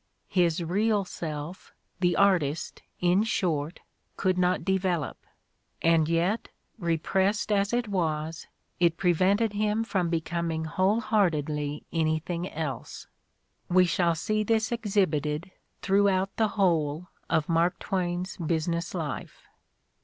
His real self, the artist, in short, could not develop, and yet, repressed as it was, it pre vented him from becoming whole heartedly anything else. "We shall see this exhibited throughout the whole of Mark Twain's business life.